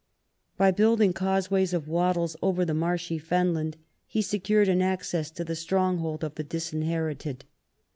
By building causeways of Avattles over the marshy fenland, he secured an access to the strong hold of the Disinherited.